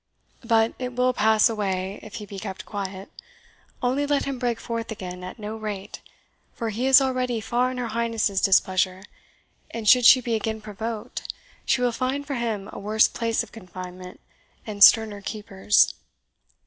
But it will pass away if he be kept quiet. Only let him break forth again at no rate; for he is already far in her Highness's displeasure, and should she be again provoked, she will find for him a worse place of confinement, and sterner keepers."